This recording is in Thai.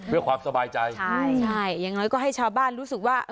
เพื่อความสบายใจใช่ใช่อย่างน้อยก็ให้ชาวบ้านรู้สึกว่า